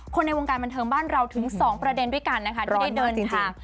ในวงการบันเทิงบ้านเราถึง๒ประเด็นด้วยกันนะคะที่ได้เดินทาง